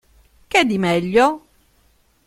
Che di meglio?